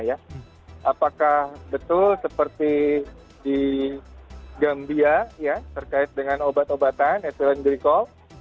apakah betul seperti di gambia terkait dengan obat obatan etilendrikol